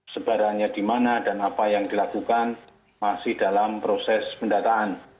sebarannya di mana dan apa yang dilakukan masih dalam proses pendataan